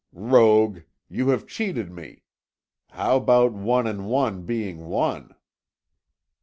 "Rogue, you have cheated me! How about one and one being one?"